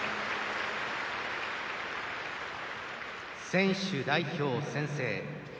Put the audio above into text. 選手代表宣誓。